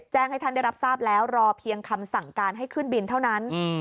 แจ้งให้ท่านได้รับทราบแล้วรอเพียงคำสั่งการให้ขึ้นบินเท่านั้น